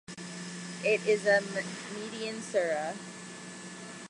It is a Medinan sura.